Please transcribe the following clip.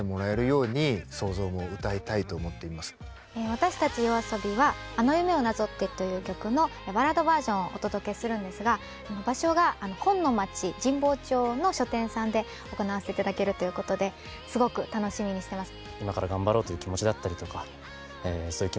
私たちＹＯＡＳＯＢＩは「あの夢をなぞって」という曲のバラードバージョンをお届けするんですが場所が本の街・神保町の書店さんで行わせていただけるということですごく楽しみにしてます。